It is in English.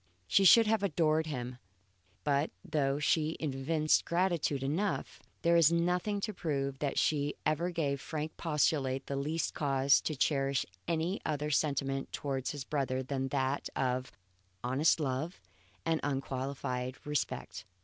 She should have adored him; but though she evinced gratitude enough, there is nothing to prove that she ever gave Frank Postlethwaite the least cause to cherish any other sentiment towards his brother than that of honest love and unqualified respect.